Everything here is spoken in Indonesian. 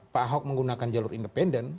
pak ahok menggunakan jalur independen